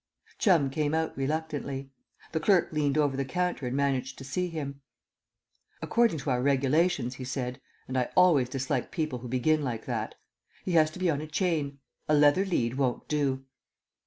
Chum came out reluctantly. The clerk leant over the counter and managed to see him. "According to our regulations," he said, and I always dislike people who begin like that, "he has to be on a chain. A leather lead won't do."